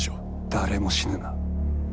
誰も死ぬな。